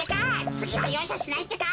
つぎはようしゃしないってか！